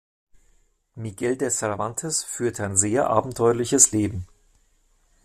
Miguel de Cervantes führte ein sehr abenteuerliches Leben.